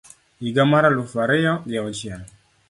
higa mar aluf ariyo gi auchiel